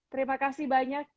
terima kasih banyak